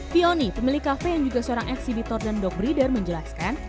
pioni pemilik kafe yang juga seorang eksibitor dan dog breeder menjelaskan